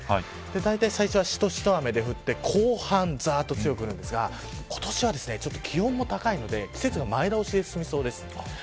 だいたい最初はシトシト雨で後半ざっと強く降るんですが今年は気温も高いので季節も前倒しで進みそうです。